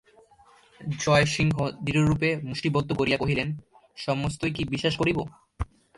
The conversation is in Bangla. জয়সিংহ দৃঢ়রূপে মুষ্টি বদ্ধ করিয়া কহিলেন, সমস্তই কি বিশ্বাস করিব?